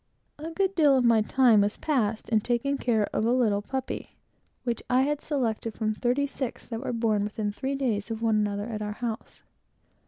A good deal of my time was spent in taking care of a little puppy, which I had selected from thirty six, that were born within three days of one another, at our house.